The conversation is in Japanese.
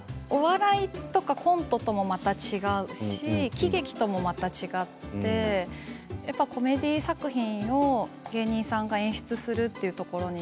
やっぱりこれもお笑いとかコントとはまた違って喜劇ともまた違ってコメディー作品を芸人さんが演出するというところに